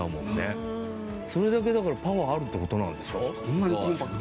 それだけだからパワーあるって事なんでしょ？